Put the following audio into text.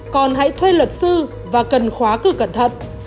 còn hãy thuê luật sư và cần khóa cửa cẩn thận